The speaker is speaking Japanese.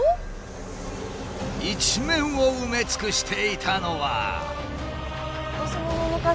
一面を埋め尽くしていたのは。